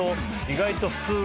意外と普通の。